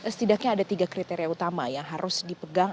setidaknya ada tiga kriteria utama yang harus dipegang